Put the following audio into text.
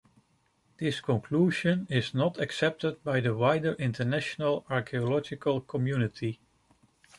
This conclusion is not accepted by the wider international archaeological community.